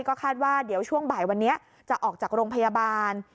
ก็คาดว่าเดี๋ยวช่วงบ่ายวันนี้จะออกจากโรงพยาบาล